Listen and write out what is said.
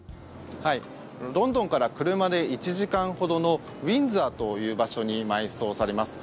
ロンドンから車で１時間ほどのウィンザーという場所に埋葬されます。